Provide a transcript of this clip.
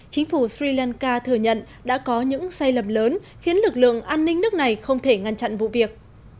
chính phủ sri lanka thừa nhận đã có những sai lầm lớn khiến lực lượng an ninh nước này không thể ngăn chặn vụ việc